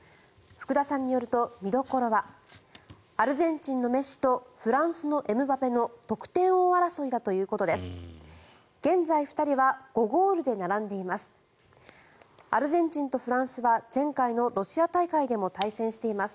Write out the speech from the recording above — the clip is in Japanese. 福田さんによると見どころはアルゼンチンのメッシとフランスのエムバペの得点王争いだということです。